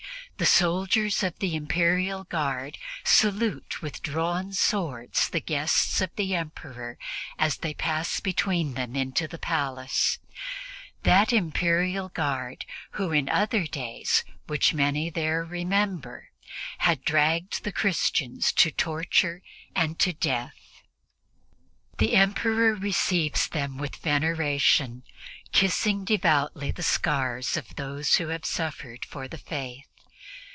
The soldiers of the Imperial Guard salute with drawn swords the guests of the Emperor as they pass between them into the palace that Imperial Guard who in other days, which many there remember, had dragged the Christians to torture and to death. The Emperor receives them with veneration, kissing devoutly the scars of those who have suffered for the Faith.